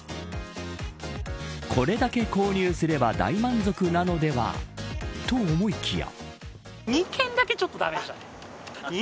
これだけ購入すれば大満足なのではと思いきや。